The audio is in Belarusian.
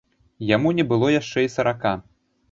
Яму не было яшчэ і сарака.